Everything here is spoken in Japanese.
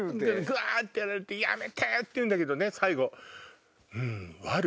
ぐわってやられてやめて！って言うんだけど最後。